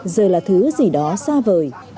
giờ là thứ gì đó xa vời